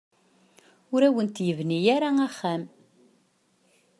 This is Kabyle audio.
Ur awent-yebni ara axxam.